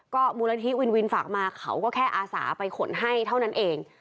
มูลนิธิวินวินฝากมาเขาก็แค่อาสาไปขนให้เท่านั้นเอง